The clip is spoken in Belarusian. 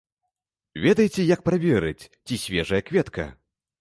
Ведаеце, як праверыць, ці свежая кветка?